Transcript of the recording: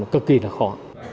cực kỳ là khó